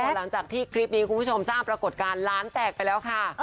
หลังจากที่คลิปนี้คุณผู้ชมสร้างปรากฏการณ์ร้านแตกไปแล้วค่ะ